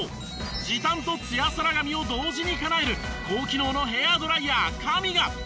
時短とツヤサラ髪を同時にかなえる高機能のヘアドライヤーＫＡＭＩＧＡ。